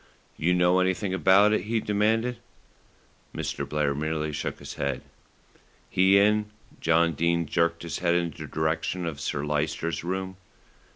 "You know anything about it?" he demanded. Mr. Blair merely shook his head. "He in?" John Dene jerked his head in the direction of Sir Lyster's room.